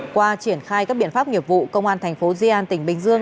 qua triển khai các biện pháp nghiệp vụ công an thành phố diàn tỉnh bình dương